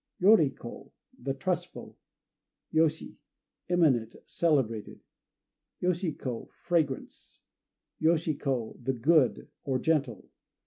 Yori ko "The Trustful." Yoshi "Eminent," celebrated. Yoshi ko "Fragrance." Yoshi ko "The Good," or Gentle.